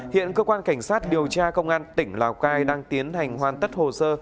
hiện cơ quan cảnh sát điều tra công an tỉnh lào cai đang tiến hành hoàn tất hồ sơ